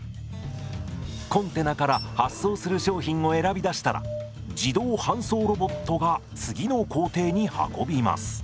コンテナから発送する商品を選び出したら自動搬送ロボットが次の工程に運びます。